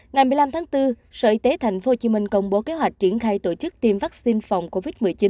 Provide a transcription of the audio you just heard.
ngày một mươi năm tháng bốn sở y tế tp hcm công bố kế hoạch triển khai tổ chức tiêm vaccine phòng covid một mươi chín